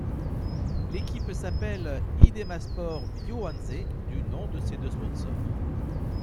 L'équipe s'appelle Idemasport-Biowanze, du nom de ses deux sponsors.